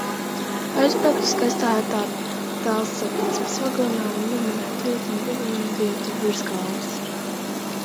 Aizbraucu skaistā, ērtā tālsatiksmes vagonā ar numurētu vietu un guļamvietu virs galvas.